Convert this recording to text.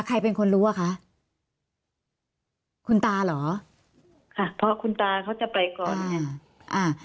ค่ะเพราะคุณตาเขาจะไปก่อนอ่า